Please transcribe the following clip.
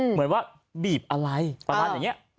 เหมือนว่าบีบอะไรประมาณอย่างนี้